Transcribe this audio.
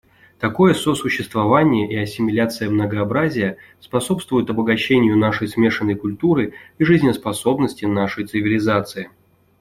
Такое сосуществование и ассимиляция многообразия способствуют обогащению нашей смешанной культуры и жизнеспособности нашей цивилизации.